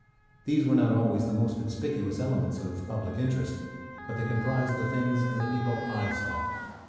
These were not always the most conspicuous elements of public interest, but they comprised the things and the people I saw.